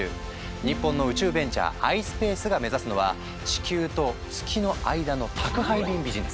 日本の宇宙ベンチャー「ｉｓｐａｃｅ」が目指すのは地球と月の間の宅配便ビジネス。